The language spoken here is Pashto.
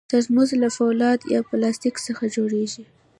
ترموز له فولادو یا پلاستیک څخه جوړېږي.